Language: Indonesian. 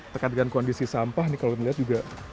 tekadkan kondisi sampah nih kalau dilihat juga